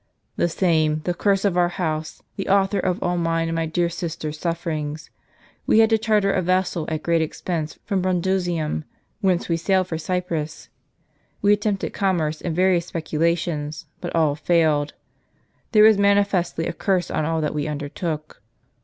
" The same, the curse of our house, the author of all mine, and my dear sister's, sufferings. We had to charter a vessel at great expense from Brundusium, whence we sailed for Cyprus. We attempted commerce and various speculations, but all failed. There was manifestly a curse on all that we undertook.